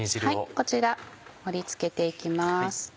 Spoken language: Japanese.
こちら盛り付けて行きます。